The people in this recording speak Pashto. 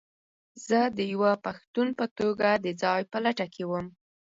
زه د یوه پښتون په توګه د ځاى په لټه کې وم.